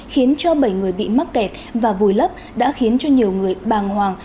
khiến cho bảy người bị mắc kẹt và vùi lấp đã khiến cho nhiều người bàng hoàng